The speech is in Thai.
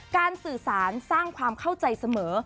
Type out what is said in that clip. สื่อสารสร้างความเข้าใจเสมอ